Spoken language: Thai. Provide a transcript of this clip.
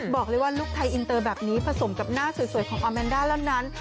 บอกเลยว่าลูกไทยอินเตอร์แบบนี้ผสมกับหน้าสวยของอาแมนด้าแล้วนั้น